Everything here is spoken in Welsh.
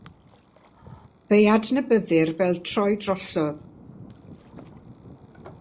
Fe'i adnabyddir fel troi drosodd.